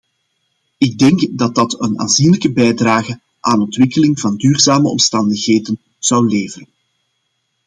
Ik denk dat dat een aanzienlijke bijdrage aan ontwikkeling van duurzame omstandigheden zou leveren.